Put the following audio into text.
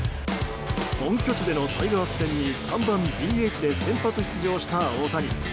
本拠地でのタイガース戦に３番ＤＨで先発出場した大谷。